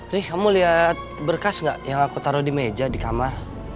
nih kamu lihat berkas nggak yang aku taruh di meja di kamar